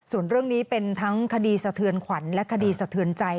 ส่วนเรื่องนี้เป็นทั้งคดีสะเทือนขวัญและคดีสะเทือนใจ